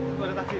aku ada taksi